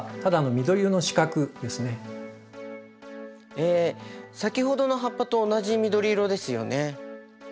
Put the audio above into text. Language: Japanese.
ええ先ほどの葉っぱと同じ緑色ですよね。